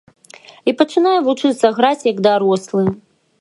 І пачынае вучыцца граць, як дарослы.